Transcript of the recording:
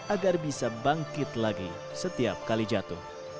agar bisa bangkit lagi setiap kali jatuh